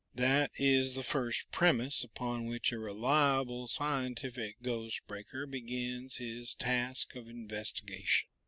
"That is the first premise upon which a reliable scientific Ghost Breaker begins his task of investigation."